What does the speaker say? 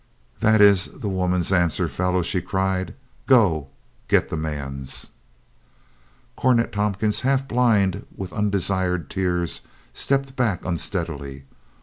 "That is the woman's answer, fellow !" she cried. "Go, get the man's !" Cornet Tompkins, half blind with undesired tears, stepped back unsteadily.